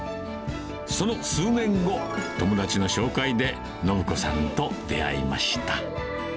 その数年後、友達の紹介で、申子さんと出会いました。